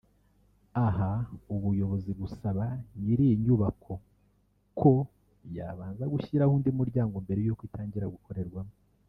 Aha ubuyobozi busaba nyiri iyi nyubako ko yabanza gushyiraho undi muryango mbere y’uko itangira gukorerwamo